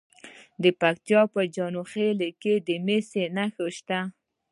د پکتیا په جاني خیل کې د مسو نښې شته.